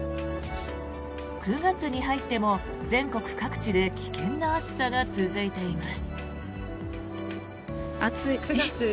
９月に入っても全国各地で危険な暑さが続いています。